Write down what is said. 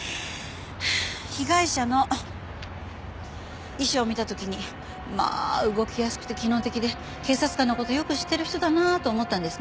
被害者の衣装を見た時にまあ動きやすくて機能的で警察官の事よく知ってる人だなと思ったんですね。